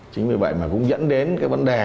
chính vì vậy mà cũng dẫn đến cái vấn đề